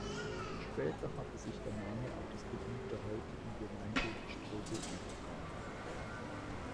Später hatte sich der Name auf das Gebiet der heutigen Gemeinde Strobl übertragen.